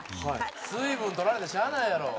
水分取られてしゃあないやろ。